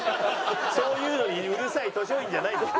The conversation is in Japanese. そういうのにうるさい図書員じゃないんですよ。